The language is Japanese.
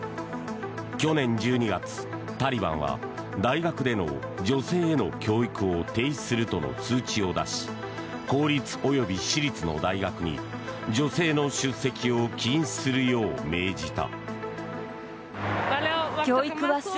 去年１２月、タリバンは大学での女性への教育を停止するとの通知を出し公立及び私立の大学に女性の出席を禁止するよう命じた。